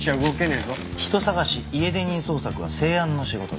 人捜し家出人捜索は生安の仕事です。